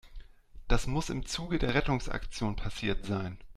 Das muss im Zuge der Rettungsaktion passiert sein.